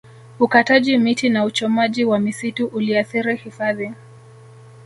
ukataji miti na uchomaji wa misitu uliathiri hifadhi